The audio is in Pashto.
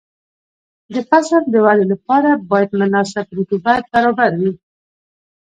د فصل د ودې لپاره باید مناسب رطوبت برابر وي.